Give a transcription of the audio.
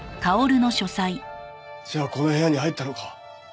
じゃあこの部屋に入ったのか？